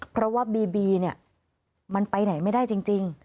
เพราะว่าบีบีเนี่ยมันไปไหนไม่ได้จริง